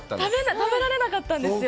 食べられなかったんですよ。